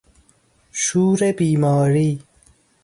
شور بیماری